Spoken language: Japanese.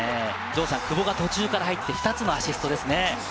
久保が途中から入って、２つのアシストですね。